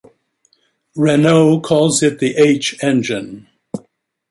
Renault calls it the H engine.